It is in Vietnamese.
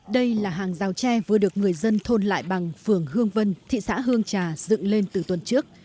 đây là hàng rào tre vừa được người dân thôn lại bằng phường hương vân thị xã hương trà dựng lên từ tuần trước